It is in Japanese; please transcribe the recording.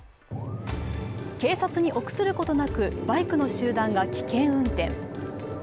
警察に臆することなくバイクの集団が危険運転。